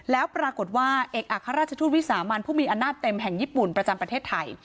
แล้วปรากฏว่าเอกอัครราชทูตวิสามันผู้มีอำนาจเต็มแห่งญี่ปุ่นประจำประเทศไทย